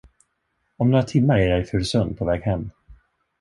Om några timmar är jag i Furusund på väg hem.